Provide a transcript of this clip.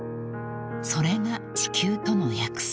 ［それが地球との約束］